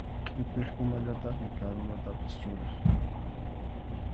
Qʼipiqkunallataqmi karunatapas churaq.